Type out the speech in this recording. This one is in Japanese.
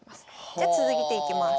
じゃ続いていきます。